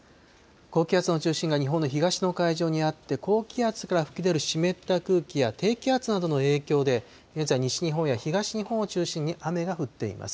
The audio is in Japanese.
高気圧の中心が日本の東の海上にあって、高気圧からふき出る湿った空気や、低気圧などの影響で、現在、西日本や東日本を中心に雨が降っています。